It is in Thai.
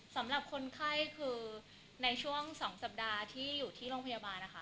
สำหรับคนไข้คือในช่วง๒สัปดาห์ที่อยู่ที่โรงพยาบาลนะคะ